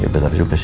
ya benar juga sih